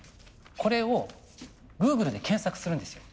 これをグーグルで検索するんですよ。